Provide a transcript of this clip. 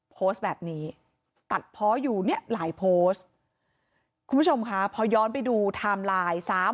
โพสต์แบบนี้ตัดเพาะอยู่เนี่ยหลายโพสต์คุณผู้ชมค่ะพอย้อนไปดูไทม์ไลน์